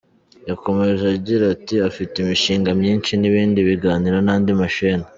Yakomeje agira ati” Afite imishinga myinshi n’ibindi biganiro n’andi mashene.